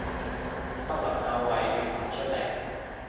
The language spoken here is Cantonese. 不能夠為粵文出力